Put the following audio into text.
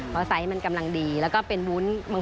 เพราะไซส์มันกำลังดีแล้วก็เป็นวุ้น